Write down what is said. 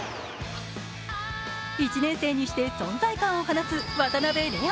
１年生にして存在感を放つ渡邉怜音。